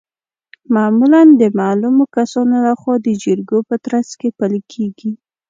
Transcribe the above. معمولا د معلومو کسانو لخوا د جرګو په ترڅ کې پلي کیږي.